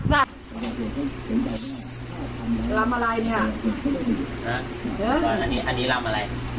รำอะไรเนี่ย